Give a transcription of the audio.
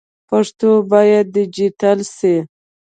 پښتو باید ډيجيټل سي.